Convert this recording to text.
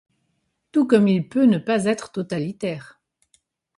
Tout comme il peut ne pas être totalitaire.